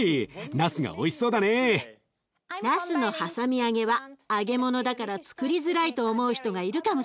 なすのはさみ揚げは揚げ物だからつくりづらいと思う人がいるかもしれませんね。